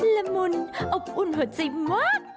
ละมุนอบอุ่นหัวใจมาก